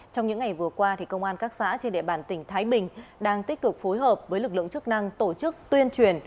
trong những ngày vừa qua công an các xã trên địa bàn tỉnh thái bình đang tích cực phối hợp với lực lượng chức năng tổ chức tuyên truyền